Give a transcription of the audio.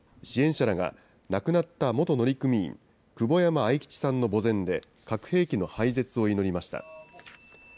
支援者らが亡くなった元乗組員、久保山愛吉さんの墓前で、核兵器の廃絶を祈りました。